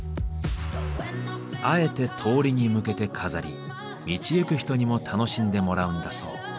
あえて通りに向けて飾り道行く人にも楽しんでもらうんだそう。